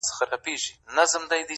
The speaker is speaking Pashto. • ستا قدم زموږ یې لېمه خو غریبي ده..